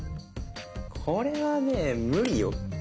これはね無理よ。